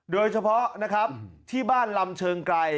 โดยเฉพาะนะครับที่บ้านลำเชิงไกร